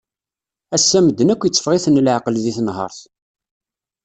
Ass-a medden akk itteffeɣ-iten leεqel di tenhert.